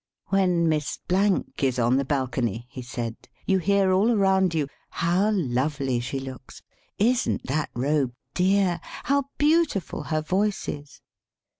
"When Miss is on the 87 THE SPEAKING VOICE balcony," he said, " you hear all around you: 'How lovely she looks! Isn't that robe dear? How beautiful her voice is!'